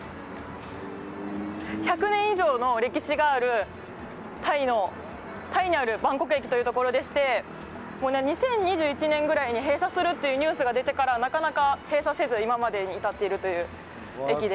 １００年以上の歴史があるタイにあるバンコク駅というところでして２０２１年ぐらいに閉鎖するというニュースが出てからなかなか閉鎖せず今に至っているという駅で。